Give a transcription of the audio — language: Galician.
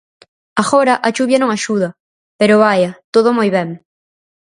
Agora a chuvia non axuda, pero vaia; todo moi ben.